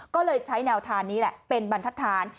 ก็เลยใช้แนวทางนี้แหละเป็นบรรทัศน